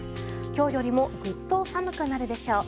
今日よりもぐっと寒くなるでしょう。